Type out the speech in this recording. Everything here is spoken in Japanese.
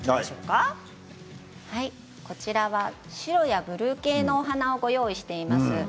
白やブルー系の花をご用意しています。